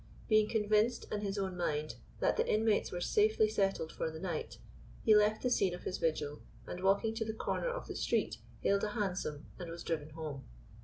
Being convinced, in his own mind, that the inmates were safely settled for the night, he left the scene of his vigil, and, walking to the corner of the street, hailed a hansom and was driven home.